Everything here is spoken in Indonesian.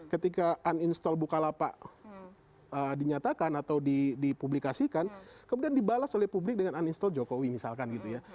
ketika uninstall bukalapak dinyatakan atau dipublikasikan kemudian dibalas oleh publik dengan uninstall jokowi misalkan gitu ya